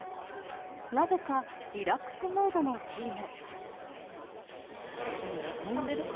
なぜかリラックスムードのチーム。